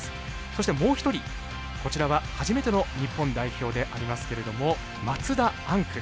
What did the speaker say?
そして、もう１人こちらは、初めての日本代表でありますけれども松田天空。